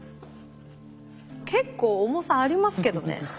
結構重さありますけどね。